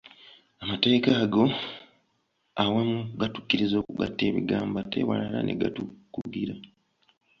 Amateeka ago awamu gatukkiriza okugatta ebigambo, ate ewalala ne gatukugira.